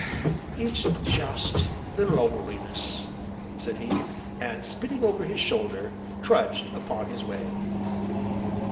"It's jest the loneliness!" said he, and, spitting over this shoulder, trudged upon his way.